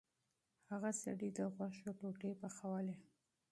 هغه سړي د غوښو ټوټې پخولې.